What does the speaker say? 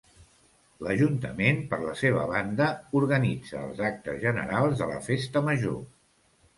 L'ajuntament, per la seva banda, organitza els actes generals de la festa major.